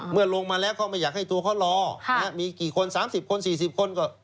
เมื่อลงมาแล้วเข้ามาอยากให้ตัวเขารอมีกี่คน๓๐คน๔๐คน